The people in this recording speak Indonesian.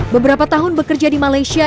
beberapa tahun bekerja di malaysia